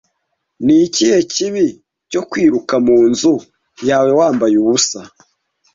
Ni ikihe kibi cyo kwiruka mu nzu yawe wambaye ubusa?